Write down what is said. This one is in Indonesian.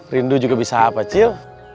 rindu juga bisa apa cil